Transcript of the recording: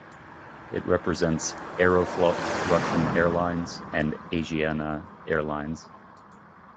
It represents Aeroflot Russian Airlines and Asiana Airlines.